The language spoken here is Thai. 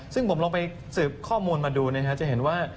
ซึ่งผมลองไปสืบข้อมูลมาดูนะครับจะเห็นว่า